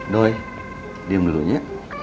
doi diem dulunya